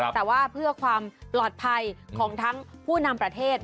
แต่ว่าเพื่อความปลอดภัยของทั้งผู้นำประเทศ